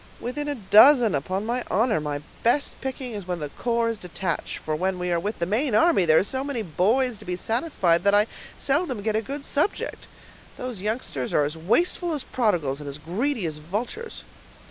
"Within a dozen, upon my honor; my best picking is when the corps is detached; for when we are with the main army, there are so many boys to be satisfied, that I seldom get a good subject. Those youngsters are as wasteful as prodigals, and as greedy as vultures."